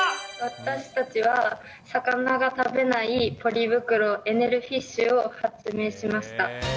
私たちは、魚が食べないポリ袋、エネルフィッシュを発明しました。